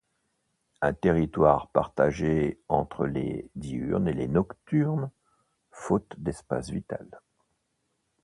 Un territoire partagé entre les Diurnes et les Nocturnes, faute d'espace vital.